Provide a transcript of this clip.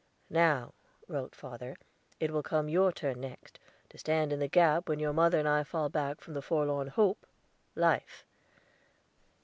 "Now," wrote father, "it will come your turn next, to stand in the gap, when your mother and I fall back from the forlorn hope life."